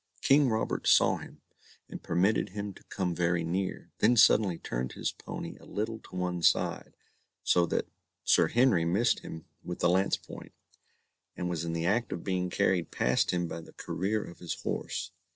King Robert saw him, and permitted him to come very near, then suddenly turned his pony a little to one side, so that Sir Henry missed him with the lance point, and was in the act of being carried past him by the career of his horse.